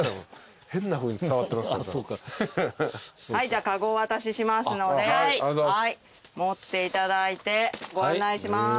じゃあカゴをお渡ししますので持っていただいてご案内します。